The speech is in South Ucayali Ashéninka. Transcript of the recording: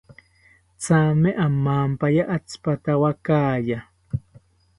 Thame amampaya atzipatawakaya